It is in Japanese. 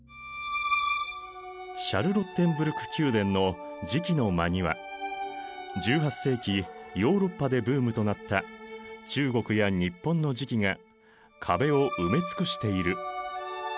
シャルロッテンブルク宮殿の磁器の間には１８世紀ヨーロッパでブームとなった中国や日本の磁器が壁を埋め尽くしている。